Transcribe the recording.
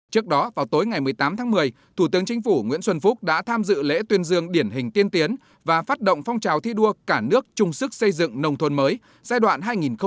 trước đó vào tối ngày một mươi tám tháng một mươi thủ tướng chính phủ nguyễn xuân phúc đã tham dự lễ tuyên dương điển hình tiên tiến và phát động phong trào thi đua cả nước chung sức xây dựng nông thôn mới giai đoạn hai nghìn hai mươi một hai nghìn hai mươi năm